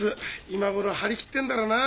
今頃張り切ってんだろうな。